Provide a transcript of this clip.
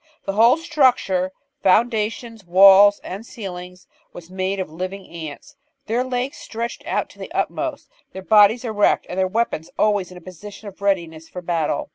The whole structure — foundations, walls, and ceilings — was made of living ants, their legs stretched out to the utmost, their bodies erect, and their weapons always in a position of readi ness for battle.